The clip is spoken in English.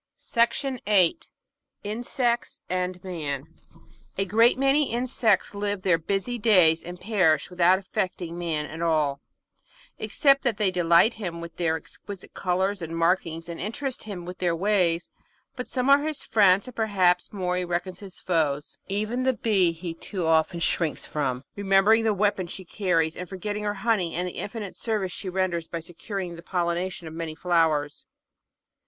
Insects and Man A great many insects live their busy days and perish without affecting man at all, except that they delight him with their ex quisite colours and markings and interest him with their ways, but some are his friends, and perhaps more he reckons his foes. Even the Bee he too often shrinks from, remembering the weapon she carries and forgetting her honey and the infinite service she renders by securing the pollination of many flowers.